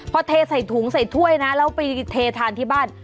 พอเทใส่ถุงใส่ถ้วยนะแล้วไปเททานที่บ้าน